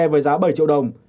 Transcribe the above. với giá bảy triệu đồng